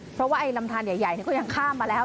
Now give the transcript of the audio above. เพราะว่าไอ้ลำทานใหญ่ก็ยังข้ามมาแล้ว